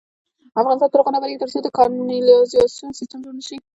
افغانستان تر هغو نه ابادیږي، ترڅو د کانالیزاسیون سیستم جوړ نشي.